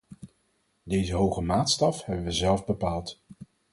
Deze hoge maatstaf hebben we zelf bepaald.